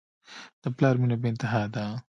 د پلار مینه بېانتها ده.